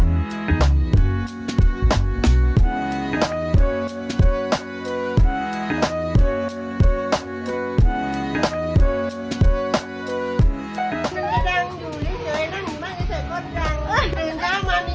มันจะมามีแต่คนมาหามัน